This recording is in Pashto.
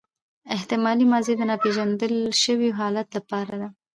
احتمالي ماضي د ناپیژندل سوي حالت له پاره ده.